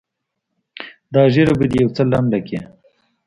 دا ږيره به دې يو څه لنډه کې.